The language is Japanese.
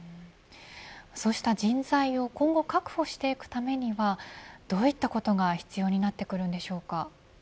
そうした人材を今後確保していくためにはどういったことが必要になってくるんでしょうか。